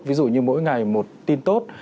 ví dụ như mỗi ngày một tin tốt